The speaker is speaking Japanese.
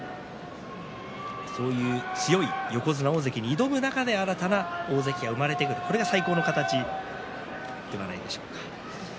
そういう強い横綱、大関に挑む中で新たな大関が生まれてくる、これが最高の形ではないでしょうか。